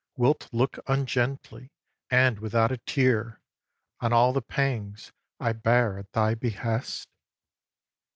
Wilt look ungently, and without a tear, On all the pangs I bear at thy behest?